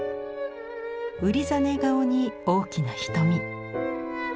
うりざね顔に大きな瞳。